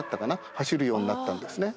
走るようになったんですね。